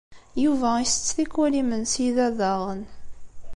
Yuba isett tikkwal imensi da daɣen.